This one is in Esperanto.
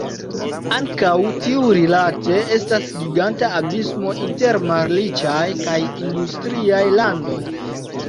Ankaŭ tiurilate estas giganta abismo inter malriĉaj kaj industriaj landoj.